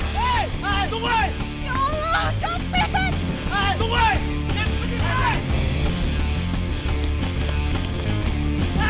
semuanya ada disitu